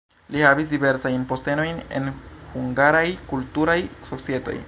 Li havis diversajn postenojn en hungaraj kulturaj societoj.